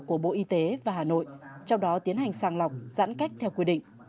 của bộ y tế và hà nội trong đó tiến hành sàng lọc giãn cách theo quy định